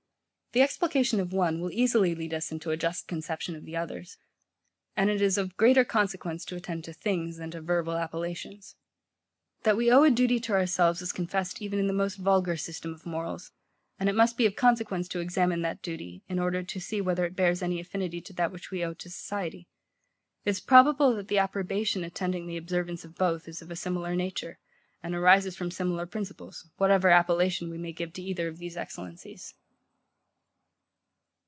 The explication of one will easily lead us into a just conception of the others; and it is of greater consequence to attend to things than to verbal appellations. That we owe a duty to ourselves is confessed even in the most vulgar system of morals; and it must be of consequence to examine that duty, in order to see whether it bears any affinity to that which we owe to society. It is probable that the approbation attending the observance of both is of a similar nature, and arises from similar principles, whatever appellation we may give to either of these excellencies.